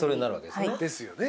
ですよね。